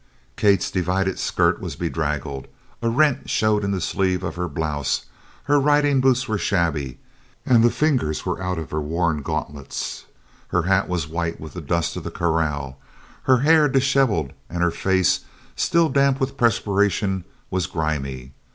Kate's divided skirt was bedraggled, a rent showed in the sleeve of her blouse, her riding boots were shabby, and the fingers were out of her worn gauntlets. Her hat was white with the dust of the corral, her hair dishevelled and her face, still damp with perspiration, was grimy.